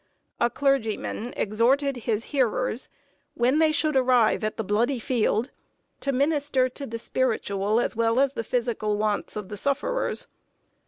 A clergyman exhorted his hearers, when they should arrive at the bloody field, to minister to the spiritual as well as physical wants of the sufferers.